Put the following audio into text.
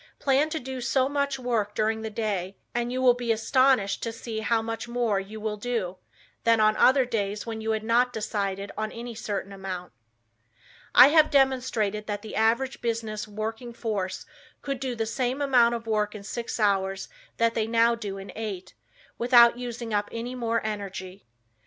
Plan to do so much work during the day and you will be astonished to see how much more you will do, than on other days, when you had not decided on any certain amount. I have demonstrated that the average business working force could do the same amount of work in six hours that they now do in eight, without using up any more energy.